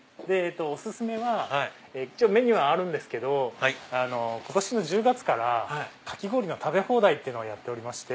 お薦めは一応メニューはあるんですけど今年の１０月からかき氷の食べ放題をやってまして。